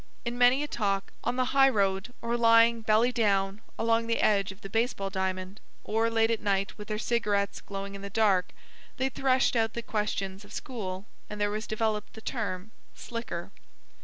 In many a talk, on the highroad or lying belly down along the edge of the baseball diamond, or late at night with their cigarettes glowing in the dark, they threshed out the questions of school, and there was developed the term "slicker."